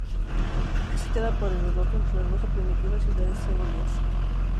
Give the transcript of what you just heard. Es citada por Heródoto entre las doce primitivas ciudades eolias.